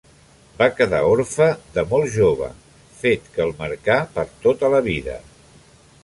Va quedar orfe de molt jove, fet que el marcà per tota la vida.